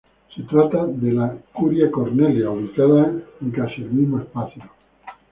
Se trata de la Curia Cornelia, ubicada en casi el mismo espacio.